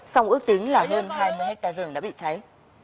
song ước tính là hơn hai mươi hectare rừng đã bị cháy